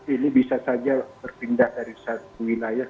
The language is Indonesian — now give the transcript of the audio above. ini bisa saja berpindah dari satu wilayah